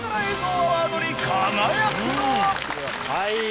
はい。